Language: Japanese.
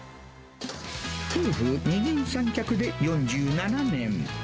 夫婦二人三脚で４７年。